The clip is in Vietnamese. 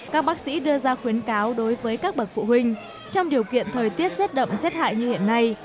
các bác sĩ đưa ra khuyến cáo đối với các bậc phụ huynh trong điều kiện thời tiết rết đậm rết hải như hiện nay